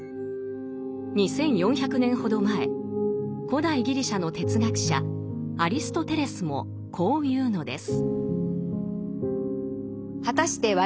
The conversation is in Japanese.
２，４００年ほど前古代ギリシャの哲学者アリストテレスもこう言うのです。